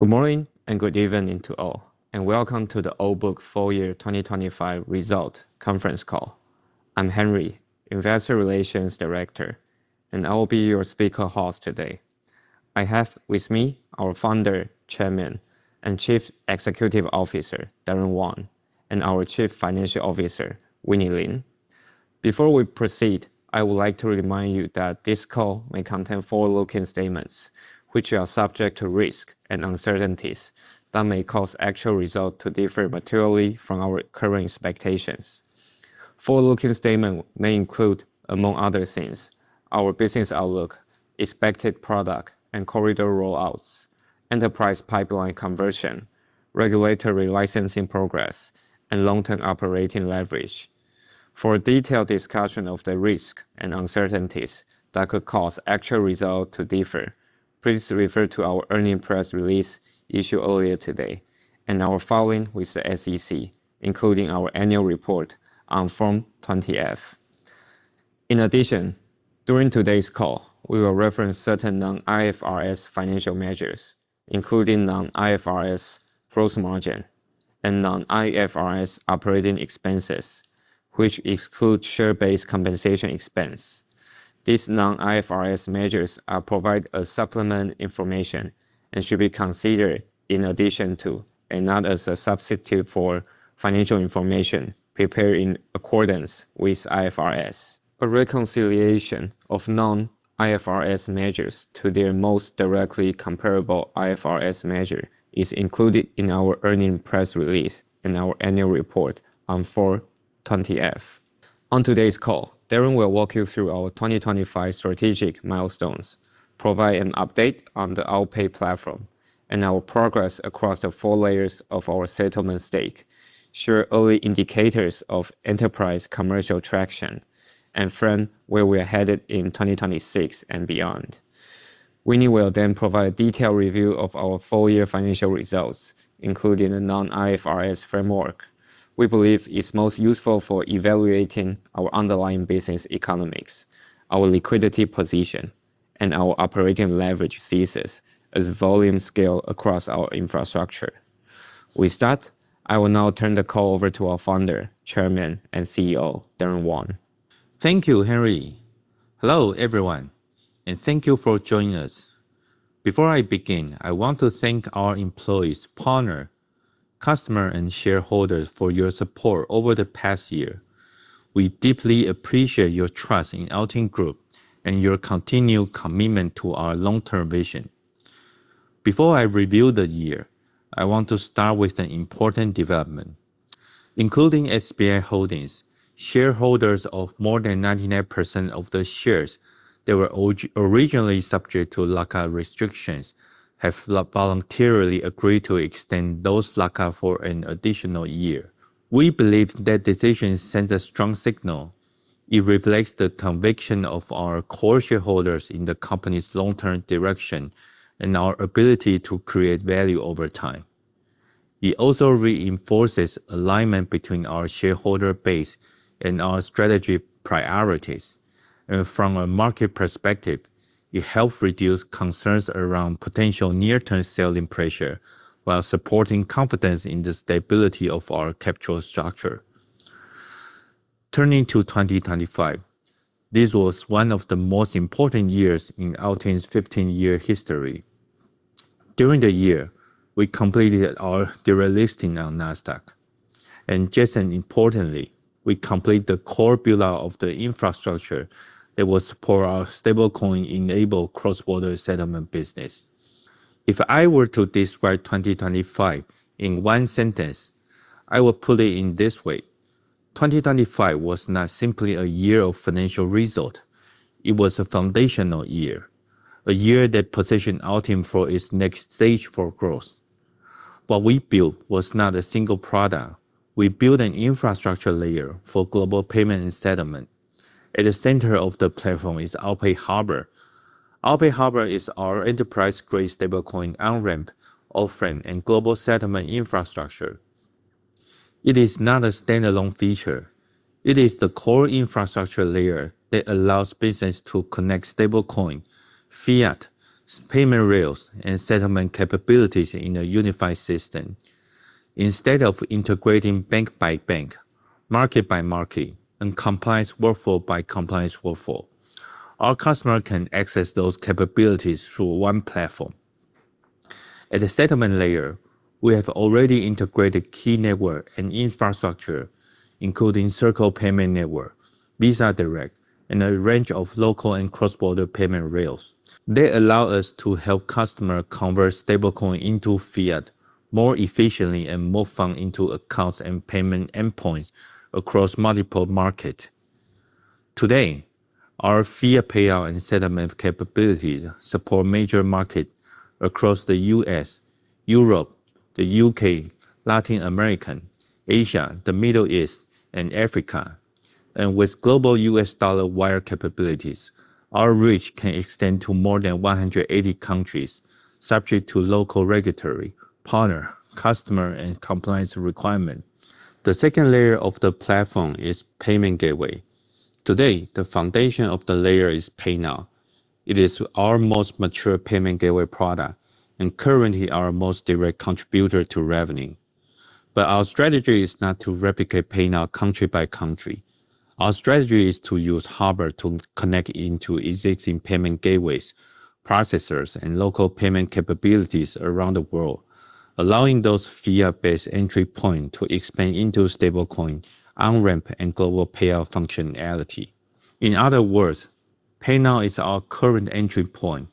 Good morning and good evening to all, and welcome to the OBOOK full year 2025 result conference call. I'm Henry, investor relations director, and I will be your speaker host today. I have with me our Founder, Chairman, and Chief Executive Officer, Darren Wang, and our Chief Financial Officer, Winnie Lin. Before we proceed, I would like to remind you that this call may contain forward-looking statements which are subject to risk and uncertainties that may cause actual results to differ materially from our current expectations. Forward-looking statements may include, among other things, our business outlook, expected product and corridor rollouts, enterprise pipeline conversion, regulatory licensing progress, and long-term operating leverage. For a detailed discussion of the risk and uncertainties that could cause actual results to differ, please refer to our earnings press release issued earlier today and our filing with the SEC, including our annual report on Form 20-F. In addition, during today's call, we will reference certain non-IFRS financial measures, including non-IFRS gross margin and non-IFRS operating expenses, which exclude share-based compensation expense. These non-IFRS measures are provide a supplement information and should be considered in addition to and not as a substitute for financial information prepared in accordance with IFRS. A reconciliation of non-IFRS measures to their most directly comparable IFRS measure is included in our earnings press release and our annual report on Form 20-F. On today's call, Darren will walk you through our 2025 strategic milestones, provide an update on the OwlPay platform and our progress across the four layers of our settlement stake, share early indicators of enterprise commercial traction, and frame where we are headed in 2026 and beyond. Winnie will then provide a detailed review of our full year financial results, including a non-IFRS framework we believe is most useful for evaluating our underlying business economics, our liquidity position, and our operating leverage thesis as volume scale across our infrastructure. I will now turn the call over to our Founder, Chairman, and CEO, Darren Wang. Thank you, Henry. Hello, everyone, and thank you for joining us. Before I begin, I want to thank our employees, partner, customer, and shareholders for your support over the past year. We deeply appreciate your trust in OwlTing Group and your continued commitment to our long-term vision. Before I review the year, I want to start with an important development. Including SBI Holdings, shareholders of more than 99% of the shares that were originally subject to lock-up restrictions have voluntarily agreed to extend those lock-up for an additional year. We believe that decision sends a strong signal. It reflects the conviction of our core shareholders in the company's long-term direction and our ability to create value over time. It also reinforces alignment between our shareholder base and our strategy priorities. From a market perspective, it help reduce concerns around potential near-term selling pressure while supporting confidence in the stability of our capital structure. Turning to 2025, this was one of the most important years in OwlTing's 15-year history. During the year, we completed our delisting on Nasdaq, and just as importantly, we completed the core build out of the infrastructure that will support our stablecoin-enabled cross-border settlement business. If I were to describe 2025 in one sentence, I would put it in this way. 2025 was not simply a year of financial result. It was a foundational year, a year that positioned OwlTing for its next stage for growth. What we built was not a single product. We built an infrastructure layer for global payment and settlement. At the center of the platform is OwlPay Harbor. OwlPay Harbor is our enterprise-grade stablecoin on-ramp offering and global settlement infrastructure. It is not a standalone feature. It is the core infrastructure layer that allows businesses to connect stablecoin, fiat, payment rails, and settlement capabilities in a unified system. Instead of integrating bank by bank, market by market, and compliance workflow by compliance workflow, our customers can access those capabilities through one platform. At the settlement layer, we have already integrated key network and infrastructure, including Circle Payments Network, Visa Direct, and a range of local and cross-border payment rails. They allow us to help customers convert stablecoin into fiat more efficiently and move funds into accounts and payment endpoints across multiple markets. Today, our fiat payout and settlement capabilities support major markets across the U.S., Europe, the U.K., Latin America, Asia, the Middle East, and Africa. With global US dollar wire capabilities, our reach can extend to more than 180 countries subject to local regulatory, partner, customer, and compliance requirement. The second layer of the platform is payment gateway. Today, the foundation of the layer is PayNow. It is our most mature payment gateway product and currently our most direct contributor to revenue. Our strategy is not to replicate PayNow country by country. Our strategy is to use Harbor to connect into existing payment gateways, processors, and local payment capabilities around the world, allowing those fiat-based entry point to expand into stablecoin on-ramp and global payout functionality. In other words, PayNow is our current entry point.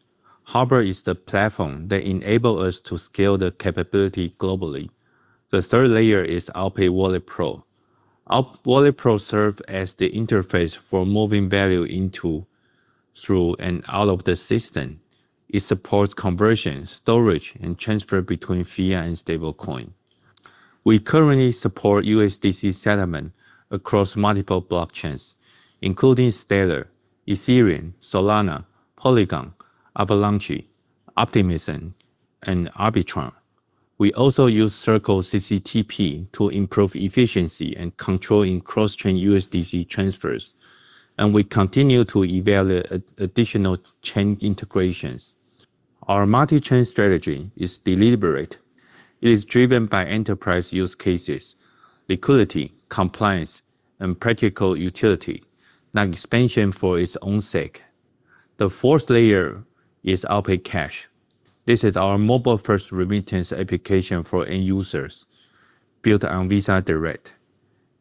Harbor is the platform that enable us to scale the capability globally. The third layer is OwlPay Wallet Pro. Our Wallet Pro serve as the interface for moving value into, through, and out of the system. It supports conversion, storage, and transfer between fiat and stablecoin. We currently support USDC settlement across multiple blockchains, including Stellar, Ethereum, Solana, Polygon, Avalanche, Optimism, and Arbitrum. We also use Circle CCTP to improve efficiency and control in cross-chain USDC transfers, and we continue to evaluate additional chain integrations. Our multi-chain strategy is deliberate. It is driven by enterprise use cases, liquidity, compliance, and practical utility, not expansion for its own sake. The fourth layer is OwlPay Cash. This is our mobile-first remittance application for end users built on Visa Direct.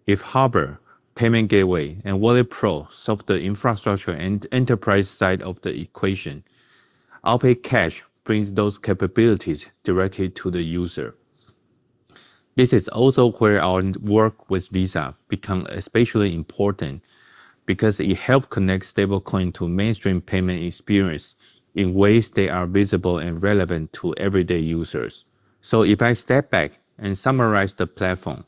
If OwlPay Harbor payment gateway and Wallet Pro solve the infrastructure and enterprise side of the equation, OwlPay Cash brings those capabilities directly to the user. This is also where our work with Visa become especially important because it help connect stablecoin to mainstream payment experience in ways they are visible and relevant to everyday users. If I step back and summarize the platform,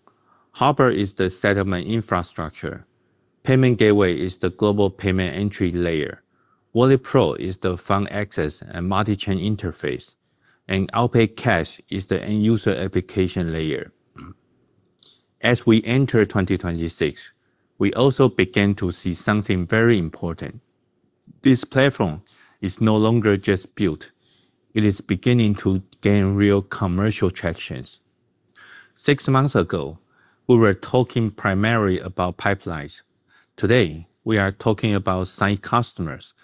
Harbor is the settlement infrastructure. Payment gateway is the global payment entry layer. Wallet Pro is the fund access and multi-chain interface, and OwlPay Cash is the end user application layer. As we enter 2026, we also begin to see something very important. This platform is no longer just built. It is beginning to gain real commercial tractions. Six months ago, we were talking primarily about pipelines. Today, we are talking about signed customers,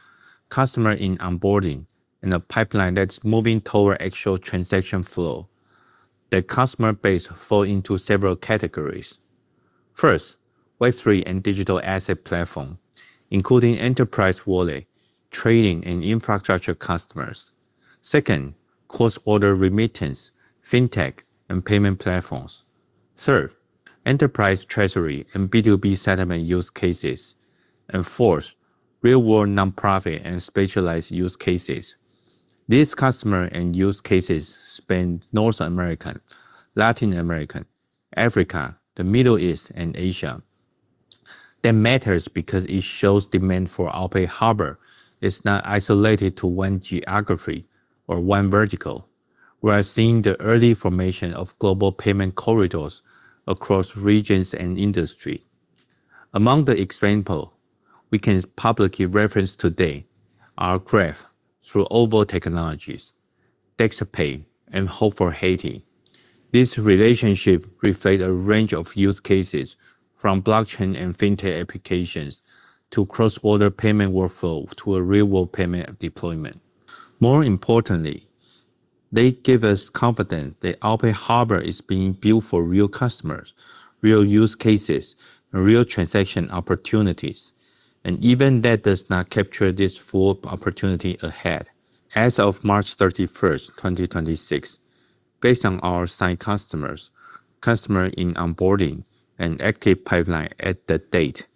customer in onboarding, and a pipeline that's moving toward actual transaction flow. The customer base fall into several categories. First, Web3 and digital asset platform, including enterprise wallet, trading, and infrastructure customers. Second, cross-border remittance, fintech, and payment platforms. Third, enterprise treasury and B2B settlement use cases. Fourth, real-world nonprofit and specialized use cases. These customer and use cases span North America, Latin America, Africa, the Middle East, and Asia. That matters because it shows demand for OwlPay Harbor is not isolated to one geography or one vertical. We are seeing the early formation of global payment corridors across regions and industry. Among the example we can publicly reference today are Gravel through Oval Technologies, DexPay, and Hope for Haiti. This relationship reflect a range of use cases from blockchain and fintech applications to cross-border payment workflow to a real-world payment deployment. More importantly, they give us confidence that OwlPay Harbor is being built for real customers, real use cases, and real transaction opportunities, and even that does not capture this full opportunity ahead. As of March 31st, 2026, based on our signed customers, customer in onboarding, and active pipeline at that date,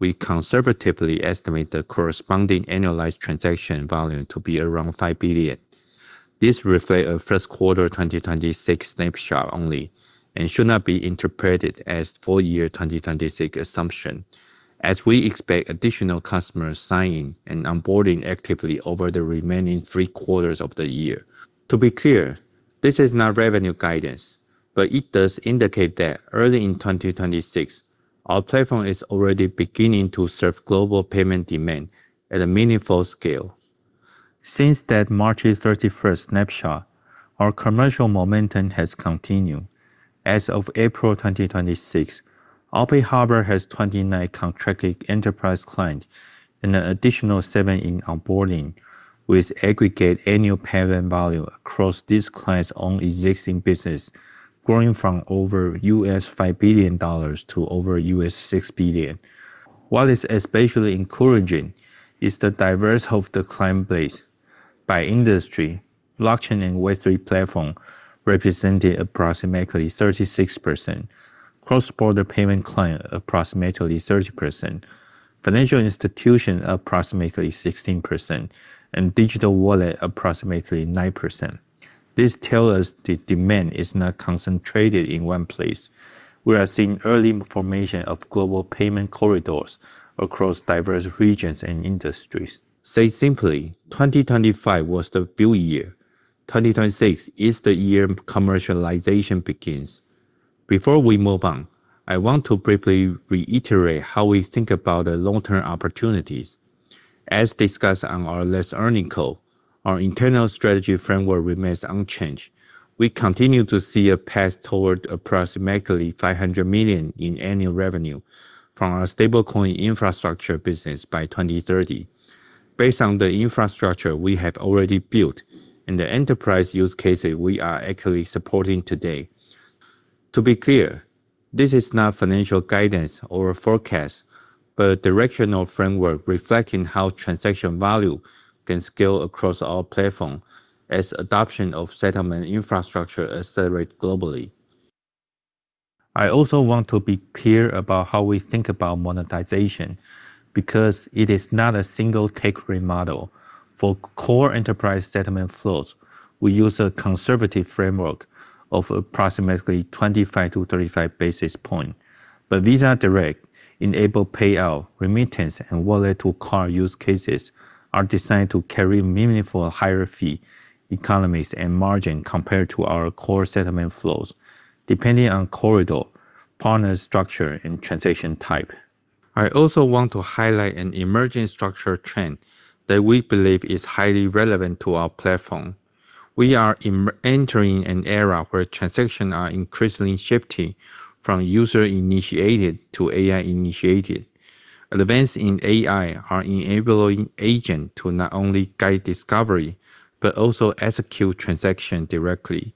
we conservatively estimate the corresponding annualized transaction volume to be around $5 billion. This reflect a first quarter 2026 snapshot only and should not be interpreted as full year 2026 assumption, as we expect additional customers signing and onboarding actively over the remaining three quarters of the year. To be clear, this is not revenue guidance, but it does indicate that early in 2026, our platform is already beginning to serve global payment demand at a meaningful scale. Since that March 31st snapshot, our commercial momentum has continued. As of April 2026, OwlPay Harbor has 29 contracted enterprise client and an additional seven in onboarding, with aggregate annual payment volume across these clients on existing business growing from over $5 billion to over $6 billion. What is especially encouraging is the diverse of the client base by industry, blockchain and Web3 platform representing approximately 36%, cross-border payment client approximately 30%, financial institution approximately 16%, and digital wallet approximately 9%. This tell us the demand is not concentrated in one place. We are seeing early formation of global payment corridors across diverse regions and industries. Say simply, 2025 was the build year. 2026 is the year commercialization begins. Before we move on, I want to briefly reiterate how we think about the long-term opportunities. As discussed on our last earning call, our internal strategy framework remains unchanged. We continue to see a path toward approximately $500 million in annual revenue from our stablecoin infrastructure business by 2030 based on the infrastructure we have already built and the enterprise use cases we are actually supporting today. To be clear, this is not financial guidance or a forecast, but a directional framework reflecting how transaction value can scale across our platform as adoption of settlement infrastructure accelerate globally. I also want to be clear about how we think about monetization because it is not a single take rate model. For core enterprise settlement flows, we use a conservative framework of approximately 25-35 basis point. Visa Direct enable payout, remittance, and wallet-to-card use cases are designed to carry meaningful higher fee economies and margin compared to our core settlement flows, depending on corridor, partner structure, and transaction type. I also want to highlight an emerging structure trend that we believe is highly relevant to our platform. We are entering an era where transactions are increasingly shifting from user-initiated to AI-initiated. Events in AI are enabling agent to not only guide discovery, but also execute transaction directly,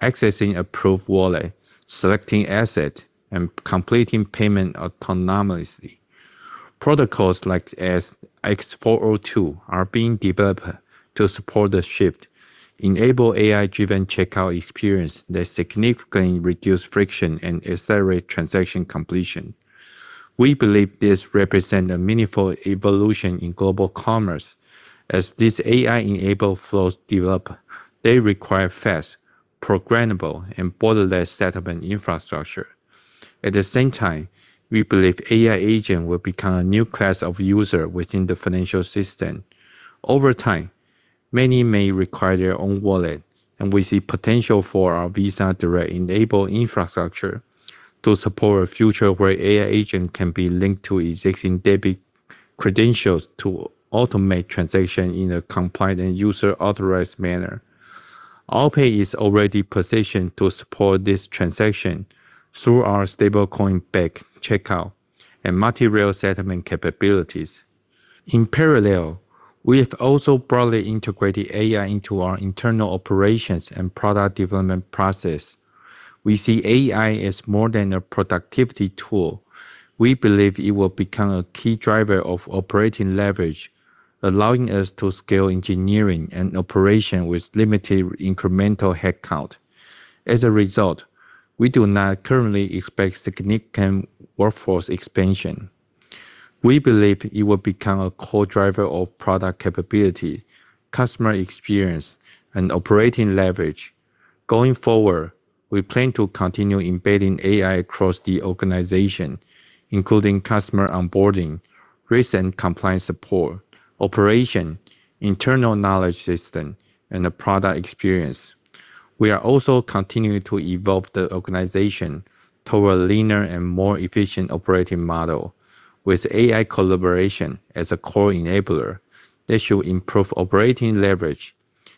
accessing approved wallet, selecting asset, and completing payment autonomously. Protocols like ERC-x402 are being developed to support the shift, enable AI-driven checkout experience that significantly reduce friction and accelerate transaction completion. We believe this represent a meaningful evolution in global commerce. As these AI-enabled flows develop, they require fast, programmable, and borderless settlement infrastructure. At the same time, we believe AI agent will become a new class of user within the financial system. Over time, many may require their own wallet, and we see potential for our Visa Direct-enabled infrastructure to support a future where AI agent can be linked to existing debit credentials to automate transaction in a compliant and user-authorized manner. OwlPay is already positioned to support this transaction through our stablecoin-backed checkout and multi-rail settlement capabilities. In parallel, we have also broadly integrated AI into our internal operations and product development process. We see AI as more than a productivity tool. We believe it will become a key driver of operating leverage, allowing us to scale engineering and operation with limited incremental headcount. As a result, we do not currently expect significant workforce expansion. We believe it will become a core driver of product capability, customer experience, and operating leverage. Going forward, we plan to continue embedding AI across the organization, including customer onboarding, risk and compliance support, operation, internal knowledge system, and the product experience. We are also continuing to evolve the organization toward a leaner and more efficient operating model with AI collaboration as a core enabler that should improve operating leverage,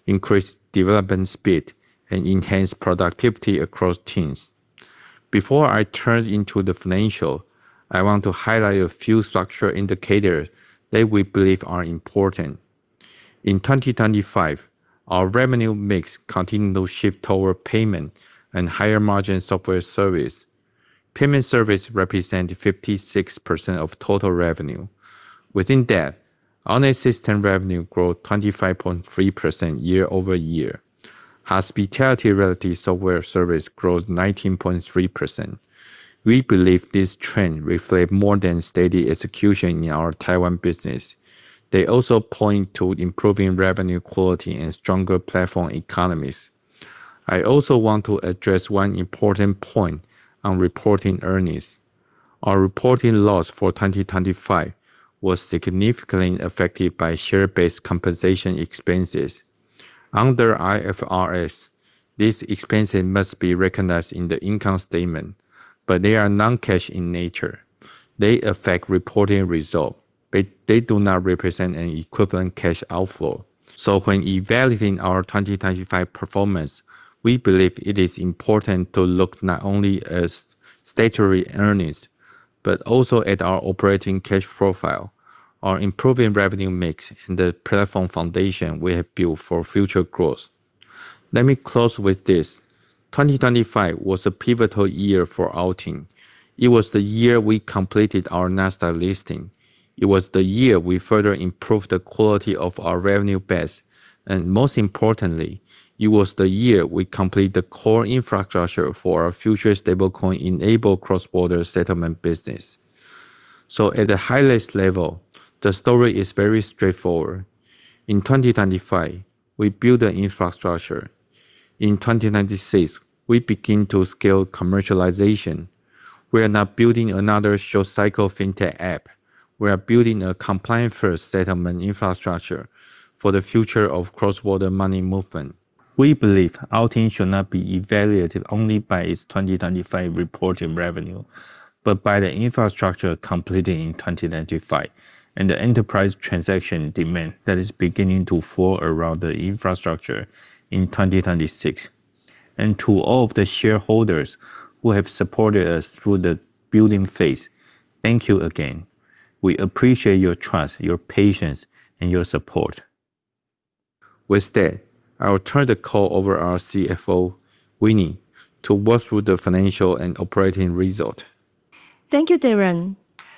increase development speed, and enhance productivity across teams. Before I turn into the financial, I want to highlight a few structural indicators that we believe are important. In 2025, our revenue mix continued to shift toward payment and higher-margin software service. Payment service represented 56% of total revenue. Within that, online system revenue growth 25.3% year-over-year. Hospitality-related software service growth 19.3%. We believe this trend reflect more than steady execution in our Taiwan business. They also point to improving revenue quality and stronger platform economies. I also want to address one important point on reporting earnings. Our reporting loss for 2025 was significantly affected by share-based compensation expenses. Under IFRS, these expenses must be recognized in the income statement, but they are non-cash in nature. They affect reporting result, but they do not represent an equivalent cash outflow. When evaluating our 2025 performance, we believe it is important to look not only at statutory earnings, but also at our operating cash profile, our improving revenue mix, and the platform foundation we have built for future growth. Let me close with this. 2025 was a pivotal year for OwlTing. It was the year we completed our Nasdaq listing. It was the year we further improved the quality of our revenue base. Most importantly, it was the year we completed the core infrastructure for our future stablecoin-enabled cross-border settlement business. At the highest level, the story is very straightforward. In 2025, we build the infrastructure. In 2026, we begin to scale commercialization. We are not building another short-cycle fintech app. We are building a compliant-first settlement infrastructure for the future of cross-border money movement. We believe our team should not be evaluated only by its 2025 reporting revenue, but by the infrastructure completed in 2025 and the enterprise transaction demand that is beginning to fall around the infrastructure in 2026. To all of the shareholders who have supported us through the building phase, thank you again. We appreciate your trust, your patience, and your support. With that, I will turn the call over our CFO, Winnie, to walk through the financial and operating result. Thank you, Darren.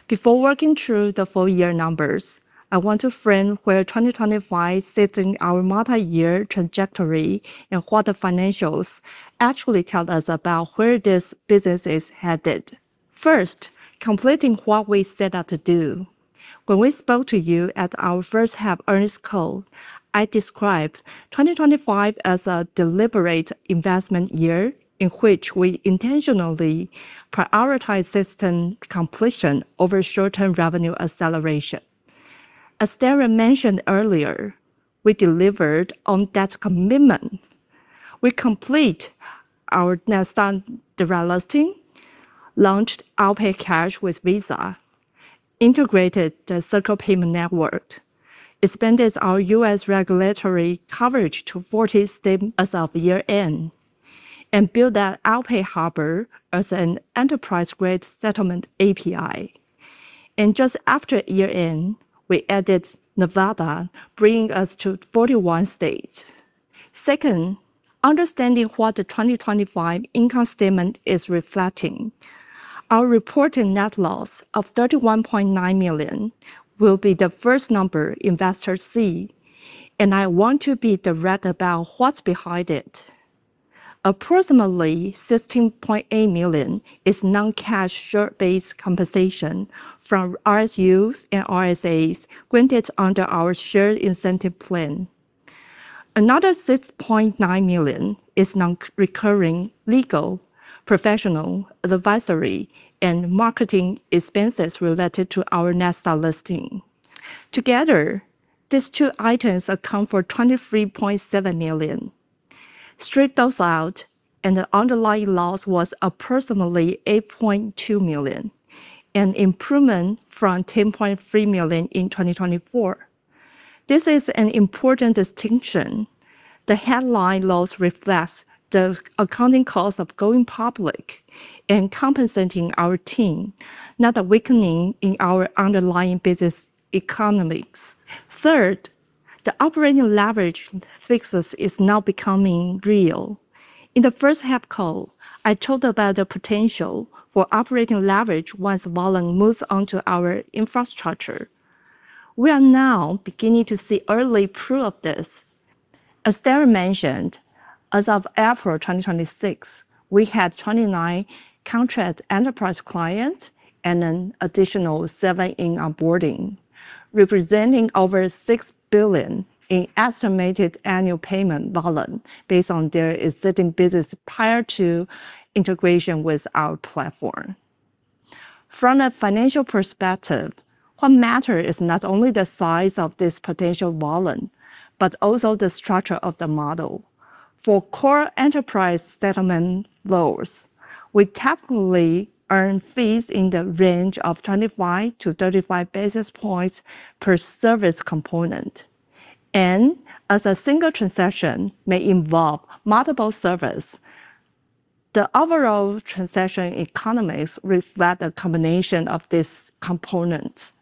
Before working through the full year numbers, I want to frame where 2025 sits in our multi-year trajectory and what the financials actually tell us about where this business is headed. First, completing what we set out to do. When we spoke to you at our first half earnings call, I described 2025 as a deliberate investment year in which we intentionally prioritize system completion over short-term revenue acceleration. As Darren mentioned earlier, we delivered on that commitment. We complete our Nasdaq delisting, launched our OwlPay Cash with Visa, integrated the Circle Payments Network, expanded our U.S. regulatory coverage to 40 states as of year-end, and built out our OwlPay Harbor as an enterprise-grade settlement API. Just after year-end, we added Nevada, bringing us to 41 states. Second, understanding what the 2025 income statement is reflecting. Our reported net loss of $31.9 million will be the first number investors see. I want to be direct about what's behind it. Approximately $16.8 million is non-cash share-based compensation from RSUs and RSAs granted under our shared incentive plan. Another $6.9 million is non-recurring legal, professional, advisory, and marketing expenses related to our Nasdaq listing. Together, these two items account for $23.7 million. Strip those out, the underlying loss was approximately $8.2 million, an improvement from $10.3 million in 2024. This is an important distinction. The headline loss reflects the accounting cost of going public and compensating our team, not a weakening in our underlying business economics. Third, the operating leverage thesis is now becoming real. In the first half call, I told about the potential for operating leverage once volume moves onto our infrastructure. We are now beginning to see early proof of this. As Darren mentioned, as of April 2026, we had 29 contract enterprise clients and an additional seven in onboarding, representing over $6 billion in estimated annual payment volume based on their existing business prior to integration with our platform. From a financial perspective, what matters is not only the size of this potential volume, but also the structure of the model. For core enterprise settlement flows, we typically earn fees in the range of 25-35 basis points per service component. As a single transaction may involve multiple services, the overall transaction economics reflect a combination of these components.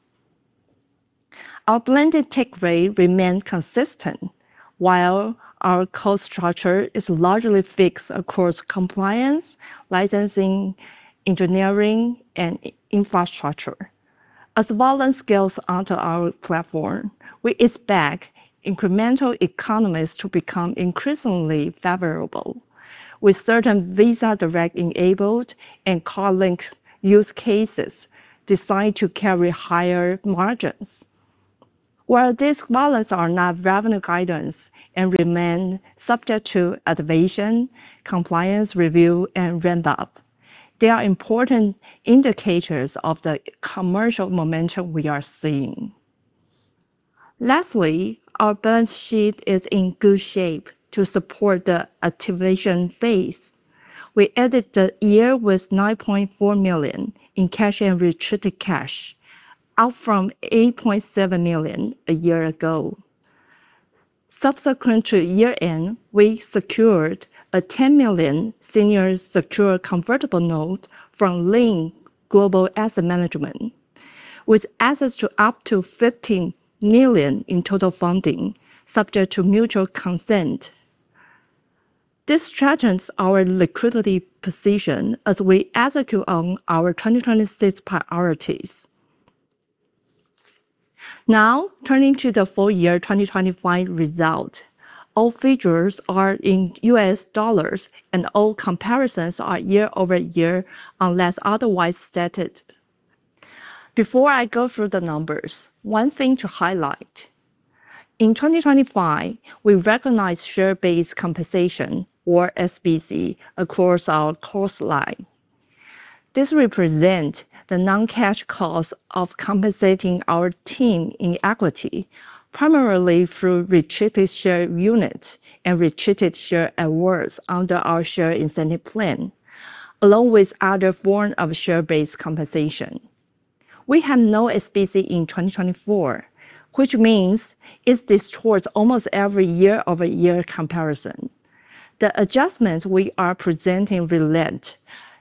Our blended take rate remained consistent, while our cost structure is largely fixed across compliance, licensing, engineering, and infrastructure. As volume scales onto our platform, we expect incremental economies to become increasingly favorable, with certain Visa Direct-enabled and card-linked use cases designed to carry higher margins. While these volumes are not revenue guidance and remain subject to activation, compliance review, and ramp up, they are important indicators of the commercial momentum we are seeing. Lastly, our balance sheet is in good shape to support the activation phase. We ended the year with $9.4 million in cash and restricted cash, up from $8.7 million a year ago. Subsequent to year-end, we secured a $10 million senior secure convertible note from Lind Global Asset Management, with access to up to $15 million in total funding subject to mutual consent. This strengthens our liquidity position as we execute on our 2026 priorities. Now, turning to the full year 2025 result. All figures are in US dollars, and all comparisons are year-over-year unless otherwise stated. Before I go through the numbers, one thing to highlight. In 2025, we recognized share-based compensation, or SBC, across our cost line. This represent the non-cash cost of compensating our team in equity, primarily through Restricted Stock Units and Restricted Stock Awards under our share incentive plan, along with other form of share-based compensation. We have no SBC in 2024, which means it distorts almost every year-over-year comparison. The adjustments we are presenting relate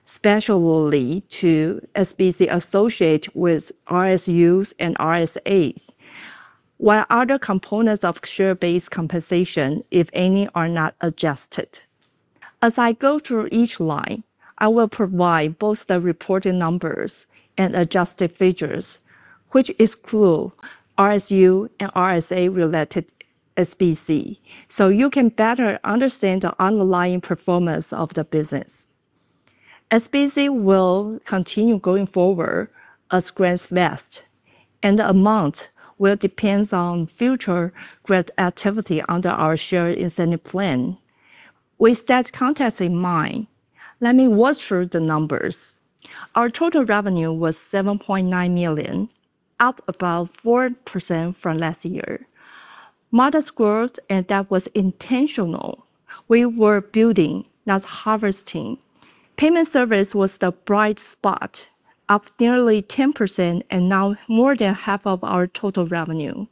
specially to SBC associate with RSUs and RSAs, while other components of share-based compensation, if any, are not adjusted. As I go through each line, I will provide both the reported numbers and adjusted figures, which exclude RSU and RSA related SBC, so you can better understand the underlying performance of the business. SBC will continue going forward as grants vest, and the amount will depends on future grant activity under our share incentive plan. With that context in mind, let me walk through the numbers. Our total revenue was $7.9 million, up about 4% from last year. Modest growth, and that was intentional. We were building, not harvesting. Payment service was the bright spot, up nearly 10% and now more than half of our total revenue.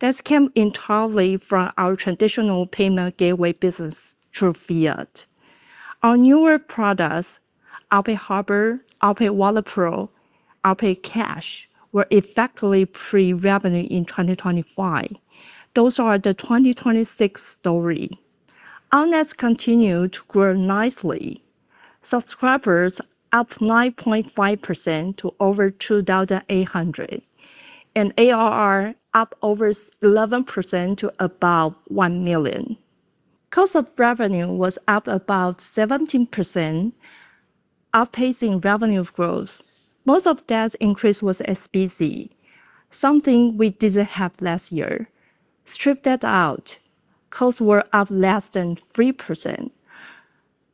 This came entirely from our traditional payment gateway business through fiat. Our newer products, OwlPay, Wallet Pro, OwlPay Cash, were effectively pre-revenue in 2025. Those are the 2026 story. Our nets continue to grow nicely. Subscribers up 9.5% to over 2,800, and ARR up over 11% to about $1 million. Cost of revenue was up about 17%, outpacing revenue growth. Most of that increase was SBC, something we didn't have last year. Strip that out, costs were up less than 3%.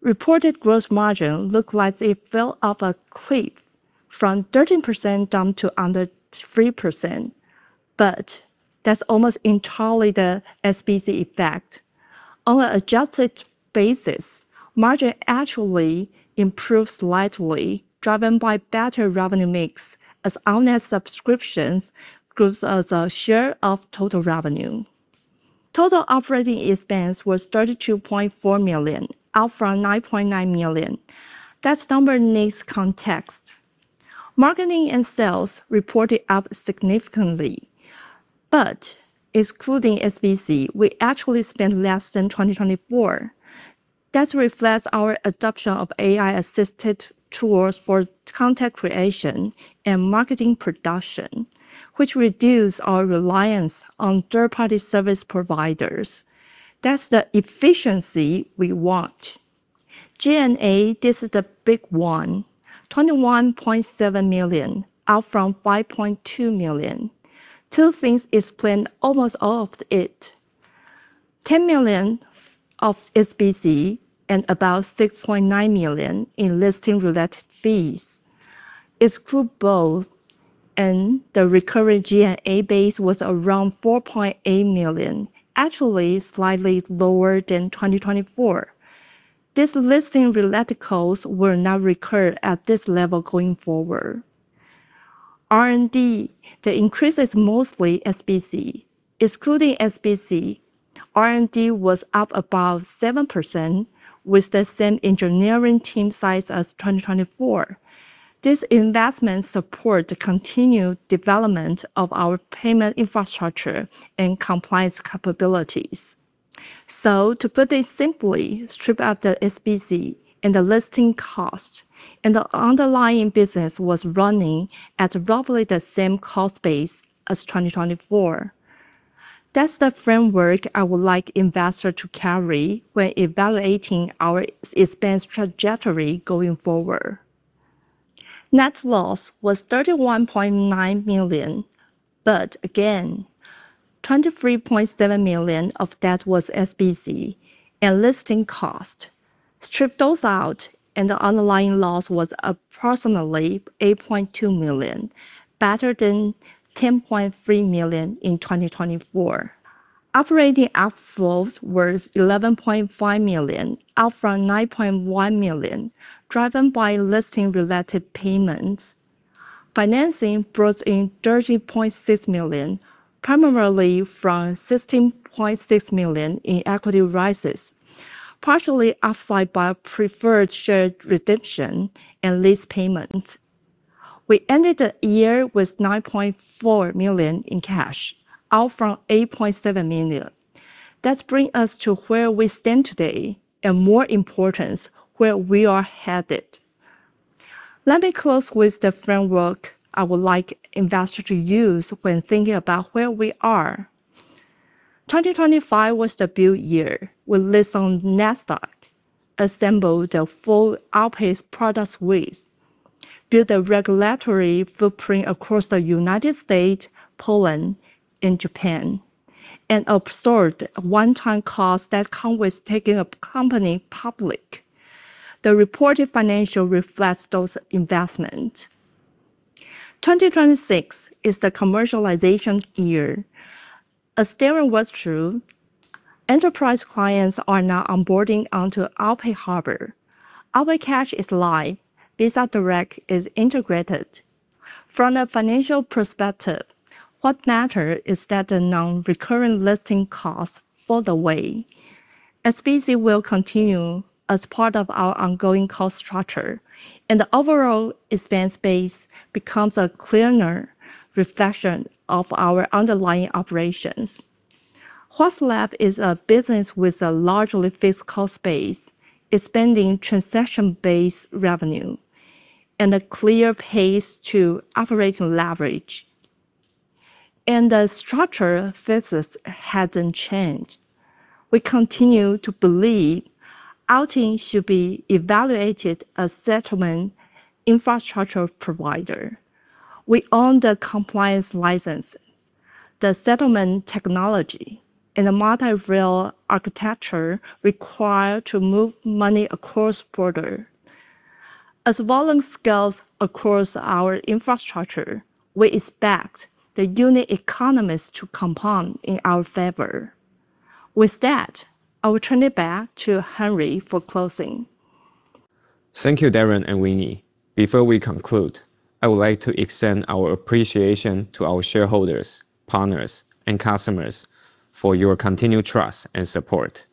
Reported gross margin looked like it fell off a cliff from 13% down to under 3%, but that's almost entirely the SBC effect. On an adjusted basis, margin actually improved slightly, driven by better revenue mix as our net subscriptions grows as a share of total revenue. Total operating expense was $32.4 million, up from $9.9 million. That number needs context. Marketing and sales reported up significantly, but excluding SBC, we actually spent less than 2024. That reflects our adoption of AI-assisted tools for content creation and marketing production, which reduce our reliance on third-party service providers. That's the efficiency we want. G&A, this is the big one. $21.7 million, up from $5.2 million. Two things explain almost all of it. 10 million of SBC and about $6.9 million in listing-related fees. Exclude both, and the recurring G&A base was around $4.8 million, actually slightly lower than 2024. This listing-related costs will not recur at this level going forward. R&D, the increase is mostly SBC. Excluding SBC, R&D was up about 7% with the same engineering team size as 2024. This investment support the continued development of our payment infrastructure and compliance capabilities. To put it simply, strip out the SBC and the listing cost, and the underlying business was running at roughly the same cost base as 2024. That's the framework I would like investor to carry when evaluating our expense trajectory going forward. Net loss was $31.9 million, but again, $23.7 million of that was SBC and listing cost. Strip those out and the underlying loss was approximately $8.2 million, better than $10.3 million in 2024. Operating outflows were $11.5 million, up from $9.1 million, driven by listing-related payments. Financing brought in $30.6 million, primarily from $16.6 million in equity raises, partially offset by preferred share redemption and lease payment. We ended the year with $9.4 million in cash, up from $8.7 million. That bring us to where we stand today and more importance, where we are headed. Let me close with the framework I would like investor to use when thinking about where we are. 2025 was the build year. We listed on Nasdaq, assembled a full OwlPay products suite, built a regulatory footprint across the U.S., Poland, Japan and absorbed a one-time cost that come with taking a company public. The reported financial reflects those investment. 2026 is the commercialization year. As Darren was through, enterprise clients are now onboarding onto OwlPay Harbor. OutPay Cash is live. Visa Direct is integrated. From a financial perspective, what matter is that the non-recurring listing costs are away. SBC will continue as part of our ongoing cost structure, and the overall expense base becomes a cleaner reflection of our underlying operations. Huoz Lab is a business with a largely fixed cost base, expanding transaction-based revenue, and a clear pace to operating leverage. The structural thesis hasn't changed. We continue to believe OwlTing should be evaluated as settlement infrastructure provider. We own the compliance license, the settlement technology, and the multi-rail architecture required to move money across border. As volume scales across our infrastructure, we expect the unit economics to compound in our favor. With that, I will turn it back to Henry for closing. Thank you, Darren and Winnie. Before we conclude, I would like to extend our appreciation to our shareholders, partners, and customers for your continued trust and support.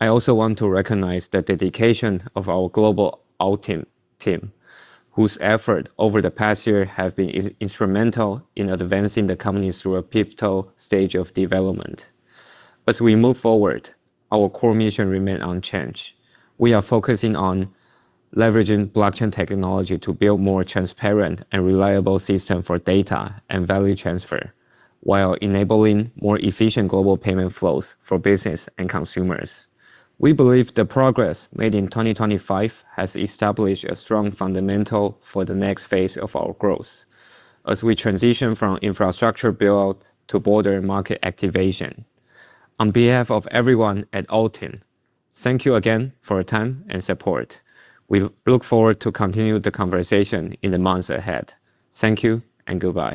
I also want to recognize the dedication of our global OwlTing team, whose effort over the past year have been instrumental in advancing the company through a pivotal stage of development. As we move forward, our core mission remain unchanged. We are focusing on leveraging blockchain technology to build more transparent and reliable system for data and value transfer while enabling more efficient global payment flows for business and consumers. We believe the progress made in 2025 has established a strong fundamental for the next phase of our growth as we transition from infrastructure build to broader market activation. On behalf of everyone at OwlTing, thank you again for your time and support. We look forward to continue the conversation in the months ahead. Thank you and goodbye.